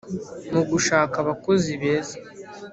mu gushaka abakozi beza